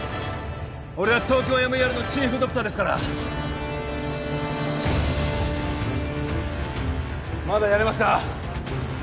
俺はＴＯＫＹＯＭＥＲのチーフドクターですからまだやれますか？